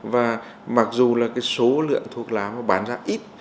và mặc dù là số lượng thuốc lá bán ra ít